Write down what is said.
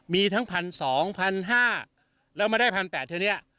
มีทั้ง๑๒๐๐๕๐๐แล้วมาได้๑๘๐๐เท่านี้